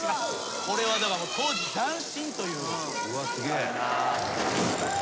これは当時斬新という。